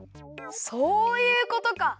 そういうことか！